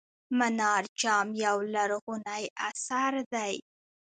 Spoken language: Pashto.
منار جام یو لرغونی اثر دی.